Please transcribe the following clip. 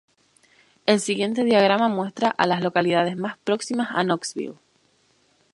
El siguiente diagrama muestra a las localidades más próximas a Knoxville.